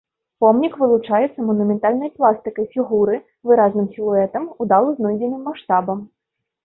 Помнік вылучаецца манументальнай пластыкай фігуры, выразным сілуэтам, удала знойдзеным маштабам.